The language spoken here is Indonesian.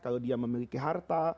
kalau dia memiliki harta